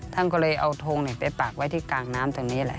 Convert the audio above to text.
ท่านก็เลยเอาทงไปปากไว้ที่กลางน้ำตรงนี้แหละ